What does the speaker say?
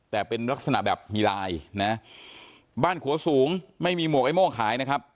แต่เป็นลักษณะแบบมีลายนะบ้านขัวสูงไม่มีหมวกไอ้โม่งขายนะครับ